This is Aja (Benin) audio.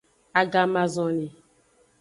Agamazonli.